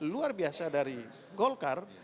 luar biasa dari golkar